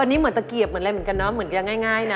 อันนี้เหมือนตะเกียบเหมือนอะไรเหมือนกันเนาะเหมือนกันง่ายนะ